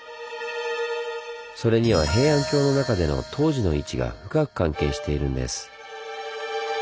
それには平安京の中での東寺の位置が深く関係しているんです。